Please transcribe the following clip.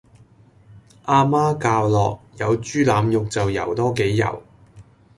阿媽教落有豬腩肉就游多幾游